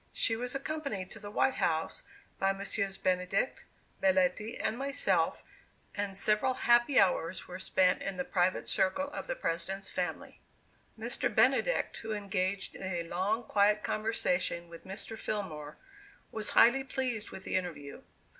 She was accompanied to the "White House" by Messrs Benedict, Belletti and myself, and several happy hours were spent in the private circle of the President's family. Mr. Benedict, who engaged in a long quiet conversation with Mr. Fillmore, was highly pleased with the interview.